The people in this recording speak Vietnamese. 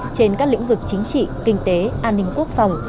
trên các lĩnh vực chính trị kinh tế an ninh quốc phòng